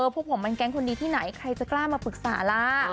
พวกผมมันแก๊งคนดีที่ไหนใครจะกล้ามาปรึกษาล่ะ